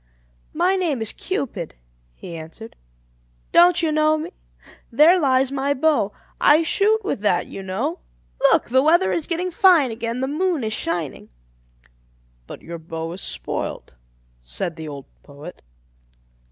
"My name is Cupid," he answered. "Don't you know me? There lies my bow. I shoot with that, you know. Look, the weather is getting fine again the moon is shining." "But your bow is spoilt," said the old poet.